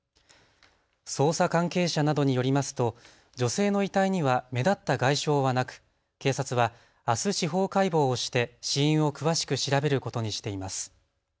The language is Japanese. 捜査関係者などによりますと女性の遺体には目立った外傷はなく、警察はあす司法解剖をして死因を詳しく調べることにしています。